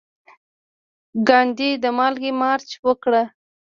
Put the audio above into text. ګاندي د مالګې مارچ وکړ.